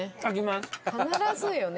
必ずよね。